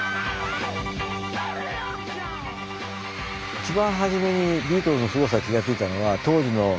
一番初めにビートルズのすごさに気が付いたのは当時の少女ですよね。